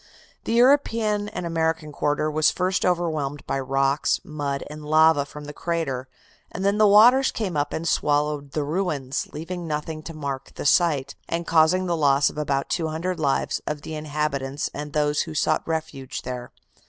The European and American quarter was first overwhelmed by rocks, mud and lava from the crater, and then the waters came up and swallowed the ruins, leaving nothing to mark the site, and causing the loss of about 200 lives of the inhabitants and those who sought refuge there."